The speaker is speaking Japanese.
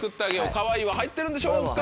「かわいい」は入ってるんでしょうか？